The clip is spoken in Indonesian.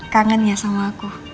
kangen ya sama aku